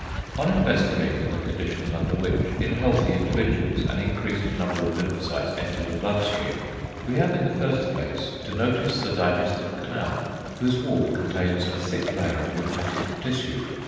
On investigating the conditions under which in healthy individuals an increased number of lymphocytes enter the blood stream, we have in the first place to notice the digestive canal, whose wall contains a thick layer of lymphatic tissue.